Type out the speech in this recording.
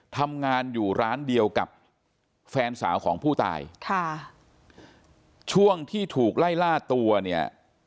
ทำงานอยู่ร้านเดียวกับแฟนสาวของผู้ตายค่ะช่วงที่ถูกไล่ล่าตัวเนี่ย